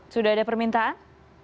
sudah ada permintaan